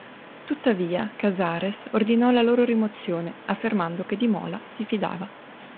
Tuttavia, Casares ordinò la loro rimozione, affermando che di Mola si fidava.